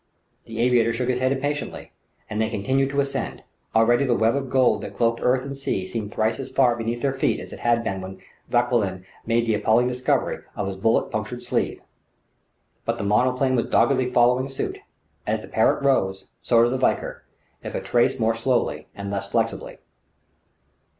The aviator shook his head impatiently; and they continued to ascend; already the web of gold that cloaked earth and sea seemed thrice as far beneath their feet as it had when Vauquelin made the appalling discovery of his bullet punctured sleeve. But the monoplane was doggedly following suit; as the Parrott rose, so did the Valkyr, if a trace more slowly and less flexibly.